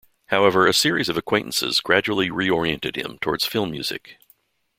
However, a series of acquaintances gradually re-oriented him towards film music.